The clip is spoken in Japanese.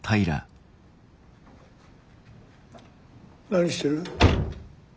何してる。